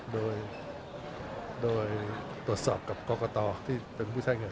โดยโดยตรวจสอบกับกรกตที่เป็นผู้ใช้เงิน